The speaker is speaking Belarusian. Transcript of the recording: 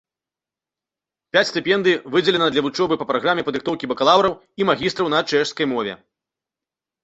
Пяць стыпендый выдзелена для вучобы па праграме падрыхтоўкі бакалаўраў і магістраў на чэшскай мове.